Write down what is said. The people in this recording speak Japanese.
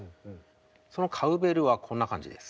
そのカウベルはこんな感じです。